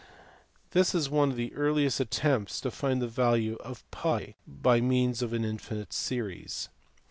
This is one of the earliest attempts to find the value of TT by means of an infinite series.